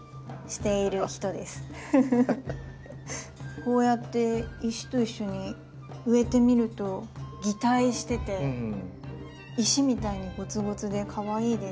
こうやって石と一緒に植えてみると擬態してて石みたいにゴツゴツでかわいいです。